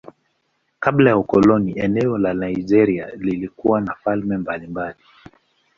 Kabla ya ukoloni eneo la Nigeria lilikuwa na falme mbalimbali.